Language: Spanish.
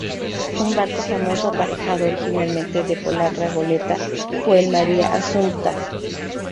Un barco famoso aparejado originalmente de polacra-goleta fue el "Maria Assumpta".